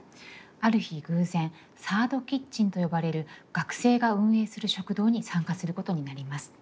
ある日偶然サード・キッチンと呼ばれる学生が運営する食堂に参加することになります。